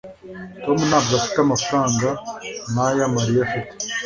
tom ntabwo afite amafaranga nkaya mariya afite